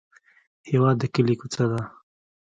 هېواد د کلي کوڅه ده.